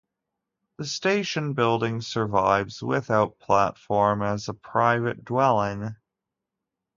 The station building survives, without platform, as a private dwelling.